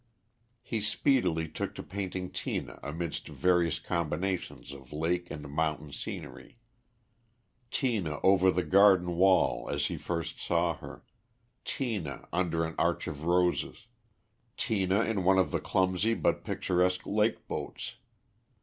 He speedily took to painting Tina amidst various combinations of lake and mountain scenery. Tina over the garden wall as he first saw her; Tina under an arch of roses; Tina in one of the clumsy but picturesque lake boats.